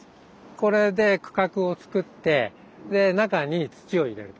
これで区画をつくって中に土を入れると。